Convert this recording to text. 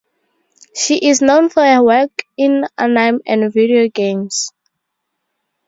She is known for her work in anime and video games.